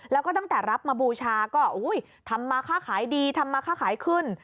แล้วก็ตั้งแต่รับมาบูชาก็ทำมาค่าขายดีทำมาค่าขายขึ้น